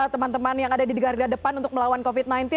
teman teman yang ada di garda depan untuk melawan covid sembilan belas